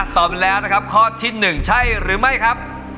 ตอบไปแล้วนะครับข้อที่๑ใช่หรือไม่ครับ